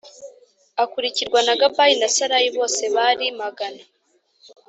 akurikirwa na Gabayi na Salayi Bose bari magana